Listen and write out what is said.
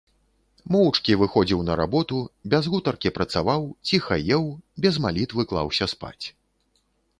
Моўчкі выходзіў на работу, без гутаркі працаваў, ціха еў, без малітвы клаўся спаць.